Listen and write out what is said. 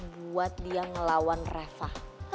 buat dia ngelawan reva